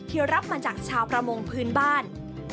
รับมาจากชาวประมงพื้นบ้าน